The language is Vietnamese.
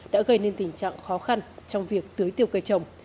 đã gây nên tình trạng khó khăn trong việc tưới tiêu cây trồng